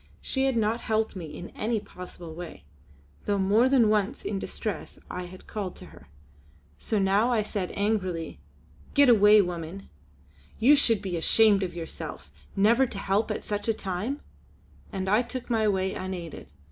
She had not helped me in any possible way, though more than once in distress I had called to her. So now I said angrily: "Get away woman! You should be ashamed of yourself never to help at such a time," and I took my way unaided.